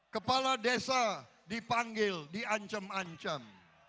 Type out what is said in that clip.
kepala desa dipanggil diancam ancam